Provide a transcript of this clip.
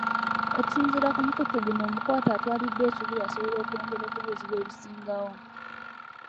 Okusinziira ku mukutu guno omukwate atwaliddwa e Kibuli asobole okwongera okubuuzibwa ebisingawo.